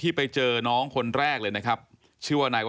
ตกลงไปจากรถไฟได้ยังไงสอบถามแล้วแต่ลูกชายก็ยังไง